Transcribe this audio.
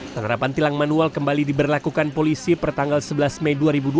penerapan tilang manual kembali diberlakukan polisi pertanggal sebelas mei dua ribu dua puluh